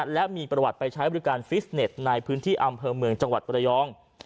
และมีประวัติไปใช้บริการฟิสเน็ตในพื้นที่อำเภอเมืองจังหวัดประยอง